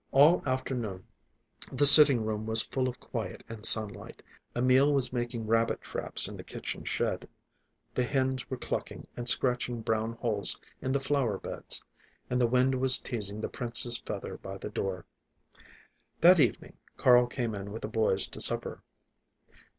All afternoon the sitting room was full of quiet and sunlight. Emil was making rabbit traps in the kitchen shed. The hens were clucking and scratching brown holes in the flower beds, and the wind was teasing the prince's feather by the door. That evening Carl came in with the boys to supper.